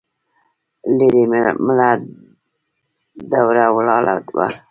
ليرې مړه دوړه ولاړه وه.